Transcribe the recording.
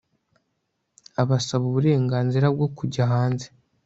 Abasaba uburenganzira bwo kujya hanze